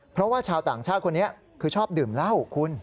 เพราะว่าชาวต่างชาติคนนี้คือชอบดื่มเหล้าคุณ